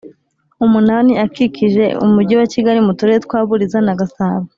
Umunani akikije umujyi wa kigali mu turere twa buliza na gasabo